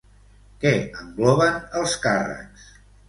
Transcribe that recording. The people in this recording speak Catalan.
Què engloben els càrrecs?